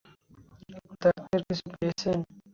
Doctor, কিছু পেয়েছেন?